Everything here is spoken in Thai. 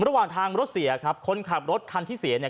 ระหว่างทางรถเสียครับคนขับรถคันที่เสียเนี่ย